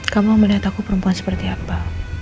kamu melihat aku perempuan seperti apa